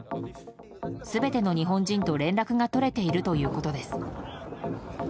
全ての日本人と連絡が取れているということです。